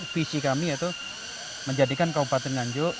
visi kami yaitu menjadikan kabupaten nganjuk